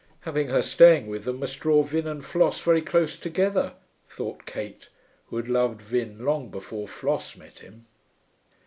'Having her staying with them must draw Vin and Floss very close together,' thought Kate, who had loved Vin long before Floss met him.